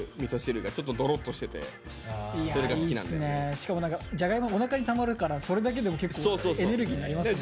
しかもジャガイモおなかにたまるからそれだけでも結構エネルギーになりますもんね。